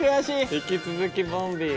引き続きボンビー。